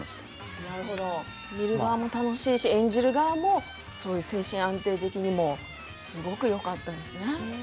見る側も楽しいし演じる側も、そういう精神安定的にもすごくよかったですね。